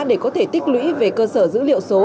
để có thể tích lũy về cơ sở dữ liệu số